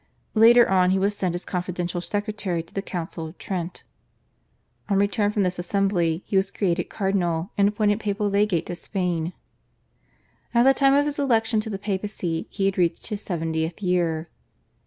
Later on he was sent as confidential secretary to the Council of Trent. On his return from this assembly he was created cardinal, and appointed papal legate in Spain. At the time of his election to the Papacy he had reached his seventieth year.